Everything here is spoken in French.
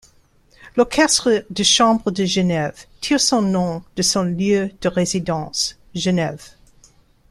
L’Orchestre de chambre de Genève tire son nom de son lieu de résidence, Genève.